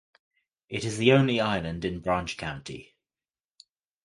It is the only island in Branch County.